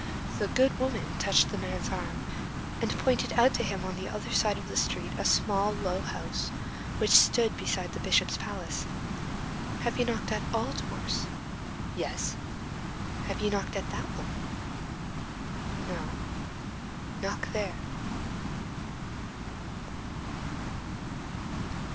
The "good woman" touched the man's arm, and pointed out to him on the other side of the street a small, low house, which stood beside the Bishop's palace. "You have knocked at all doors?" "Yes." "Have you knocked at that one?" "No." "Knock there."